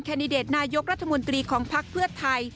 แคนนิเดร์ตนายกรัฐมนตรีของพักเพื่อไทย